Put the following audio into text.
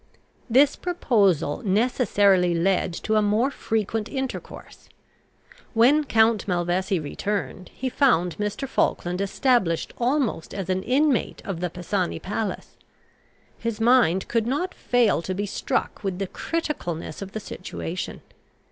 This proposal necessarily led to a more frequent intercourse. When Count Malvesi returned, he found Mr. Falkland established almost as an inmate of the Pisani palace. His mind could not fail to be struck with the criticalness of the situation.